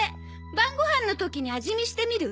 晩ごはんの時に味見してみる？